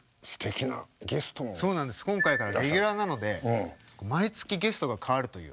今回からレギュラーなので毎月ゲストが変わるという。